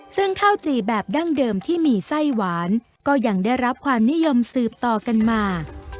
ซึ่งข้าวจี่แบบดั้งเดิมที่มีไส้หวานก็ยังได้รับความนิยมสืบต่อกันมา